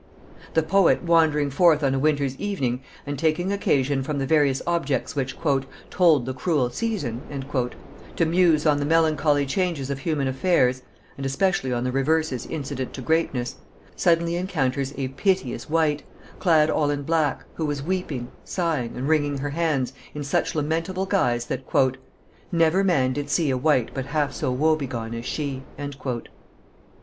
The poet wandering forth on a winter's evening, and taking occasion from the various objects which "told the cruel season," to muse on the melancholy changes of human affairs, and especially on the reverses incident to greatness, suddenly encounters a "piteous wight," clad all in black, who was weeping, sighing, and wringing her hands, in such lamentable guise, that " never man did see A wight but half so woe begone as she."